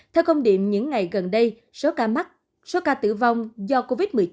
theo công điện những ngày gần đây số ca mắc số ca tử vong do covid một mươi chín